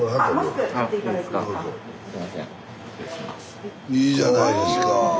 スタジオいいじゃないですか。